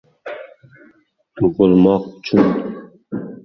tugʼilmoq uchun